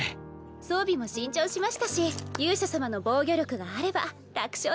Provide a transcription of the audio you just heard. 装備も新調しましたし勇者様の防御力があれば楽勝ですよ。